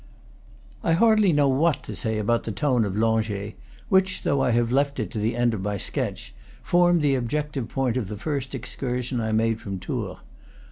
I hardly know what to say about the tone of Langeais, which, though I have left it to the end of my sketch, formed the objective point of the first ex cursion I made from Tours.